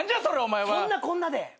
そんなこんなで。